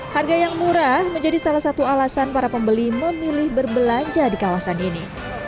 harga yang murah menjadi salah satu alasan para pembeli memilih berbelanja di kawasan ini